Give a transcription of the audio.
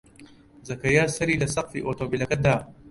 زەکەریا سەری لە سەقفی ئۆتۆمۆبیلەکە دا.